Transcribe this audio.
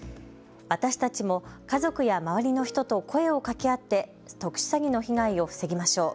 私たちも家族や周りの人と声をかけ合って特殊詐欺の被害を防ぎましょう。